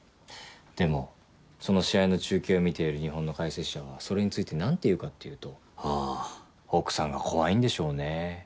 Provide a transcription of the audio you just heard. でもその試合の中継を見ている日本の解説者がそれについて何て言うかっていうと「ああ奥さんが怖いんでしょうねぇ」